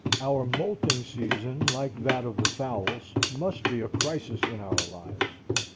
Our moulting season, like that of the fowls, must be a crisis in our lives.